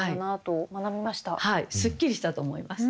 すっきりしたと思います。